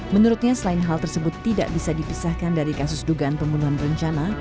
menurutnya selain hal tersebut tidak bisa dipisahkan dari kasus dugaan pembunuhan berencana